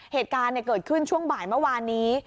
เหตุการณ์เกิดขึ้นช่วงบ่ายเมื่อวานนี้